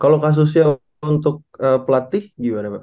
kalau kasusnya untuk pelatih gimana pak